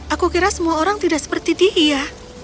aku kira semua orang tidak seperti dihia